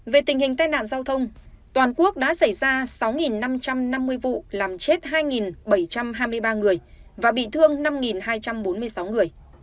về tình hình tai nạn giao thông toàn quốc đã xảy ra sáu năm trăm năm mươi vụ làm chết hai bảy trăm hai mươi ba người và bị thương năm hai trăm bốn mươi sáu người